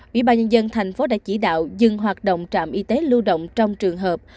ubnd thành phố đã chỉ đạo dừng hoạt động trạm y tế lưu động trong trường hợp